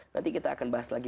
nanti kita akan bahas lagi